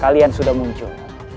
kalian sudah muncul